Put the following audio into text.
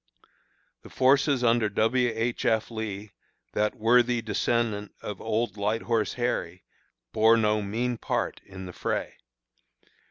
The forces under W. H. F. Lee, that worthy descendant of "Old Light Horse Harry," bore no mean part in the fray.